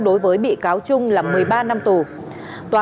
đối với bị cáo trung là một mươi ba năm tù